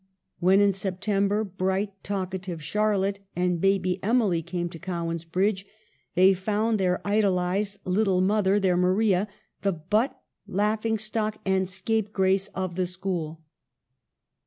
When, in September, bright, talkative Charlotte and baby Emily came to Cowan's Bridge, they found their idolized little mother, their Maria, the butt, laughing stock, and scapegrace of the school.